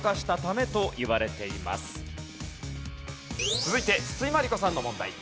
続いて筒井真理子さんの問題。